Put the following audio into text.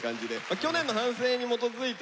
去年の反省に基づいて